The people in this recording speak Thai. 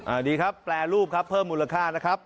ดีครับแปรรูปครับเพิ่มมูลค่านะครับ